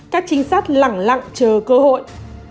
các trinh sát lặng lặng chờ cơ hội